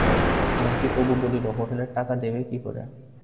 মতি তবু বলিল, হোটেলের টাকা দেবে কী করে?